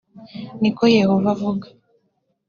ni ko yehova avuga